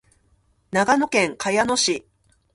長野県茅野市